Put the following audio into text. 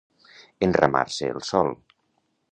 Enramar-se el sol.